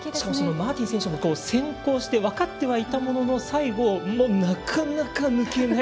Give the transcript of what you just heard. マーティン選手も先行して分かってはいたものの最後、なかなか抜けない。